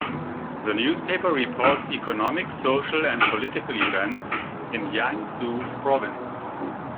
The newspaper reports economic, social and political events in Jiangsu province.